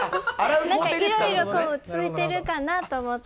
何かいろいろついてるかなと思って。